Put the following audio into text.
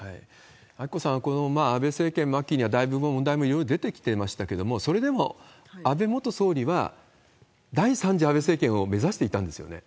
明子さん、この安倍政権末期にはだいぶいろんな問題も出てきてましたけれども、それでも安倍元総理は、第３次安倍政権を目指していたんですよね？